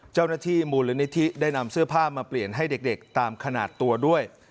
เจ้าหน้าที่มูลนิธิได้นำเสื้อผ้ามาเปลี่ยนให้เด็กตามขนาดตัวด้วย